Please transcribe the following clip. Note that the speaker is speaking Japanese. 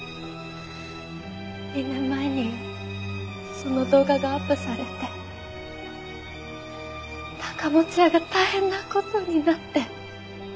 ２年前にその動画がアップされて高持屋が大変な事になって。